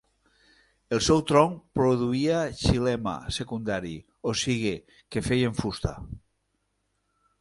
El seu tronc produïa xilema secundari, o sigui que feien fusta.